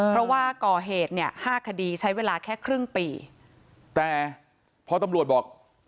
เพราะว่าก่อเหตุเนี่ยห้าคดีใช้เวลาแค่ครึ่งปีแต่พอตำรวจบอก